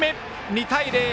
２対０！